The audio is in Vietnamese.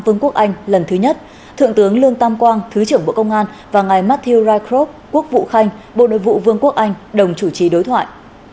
vương quốc anh lần thứ nhất thượng tướng lương tam quang thứ trưởng bộ công an và ngài mathiu raikrv quốc vụ khanh bộ nội vụ vương quốc anh đồng chủ trì đối thoại